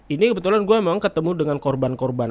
ini kebetulan gue emang ketemu dengan korban korban